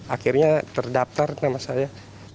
akhirnya terdaftar nama saya